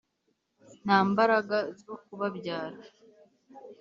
nta mbaraga zo kubabyara